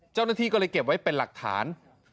เจ้าหน้าที่ก็เลยเก็บไว้เป็นหลักฐาน